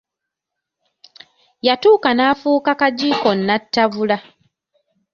Yatuuka n'afuuka kagiiko nattabula.